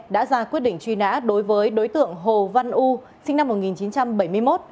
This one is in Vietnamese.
đã ra quyết định truy nã đối với đối tượng hồ văn u sinh năm một nghìn chín trăm bảy mươi một